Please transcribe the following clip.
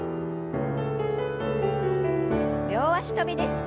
両脚跳びです。